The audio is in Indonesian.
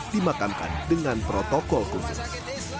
dimakamkan dengan protokol khusus